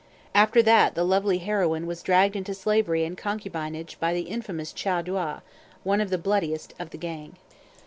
After that the lovely heroine was dragged into slavery and concubinage by the infamous Chow Dua, one of the bloodiest of the gang.